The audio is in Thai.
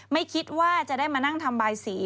ไม่คิดว่าจะได้มานั่งทำบายสี